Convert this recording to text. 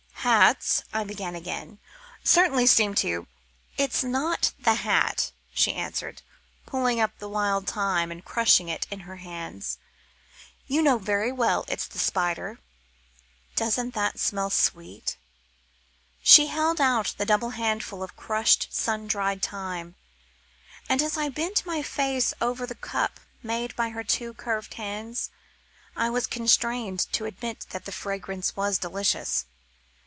"Hats," I began again, "certainly seem to " "It's not the hat," she answered, pulling up the wild thyme and crushing it in her hands, "you know very well it's the spider. Doesn't that smell sweet?" She held out the double handful of crushed sun dried thyme, and as I bent my face over the cup made by her two curved hands, I was constrained to admit that the fragrance was delicious.